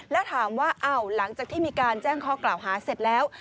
แล้วถามว่าหลังจากที่มีการแจ้งข้อกล่าวหาเสร็จแล้ว